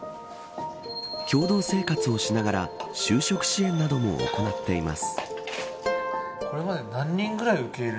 共同生活をしながら就職支援なども行っています。